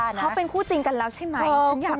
เขาเป็นคู่จริงกันแล้วใช่ไหม